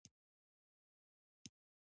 جګړه د مرګ هره ورځ نمانځي